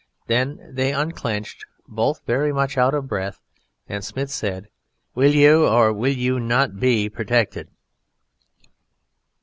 Then they unclenched, both very much out of breath, and Smith said: "Will you or will you not be protected?"